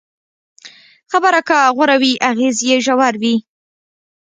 خبره که غوره وي، اغېز یې ژور وي.